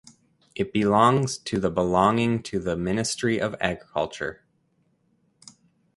It belongs to the belonging to the Ministry of Agriculture.